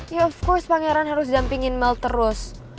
ya of course pangeran harus dampingin mel terus